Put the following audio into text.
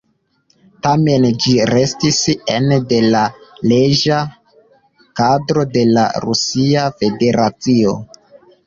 Tamen ĝi restis ene de la leĝa kadro de la Rusia Federacio.